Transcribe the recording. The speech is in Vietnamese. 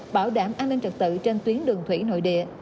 bảo đảm an ninh trật tự trên tuyến đường thủy nội địa